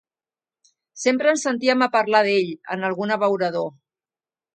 Sempre en sentíem a parlar d'ell en algun abeurador.